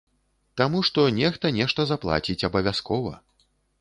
Таму што нехта нешта заплаціць абавязкова.